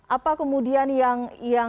apa kemudian yang